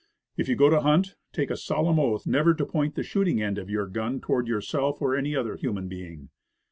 If you go to hunt, take a solemn oath never to point the shooting end of your gun toward yourself or any other human being.